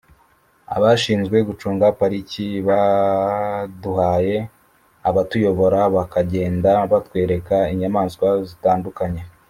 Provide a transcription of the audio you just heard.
abashinzwe gucunga pariki baduhaye abatuyobora bakagenda batwereka inyamaswa zitandukanye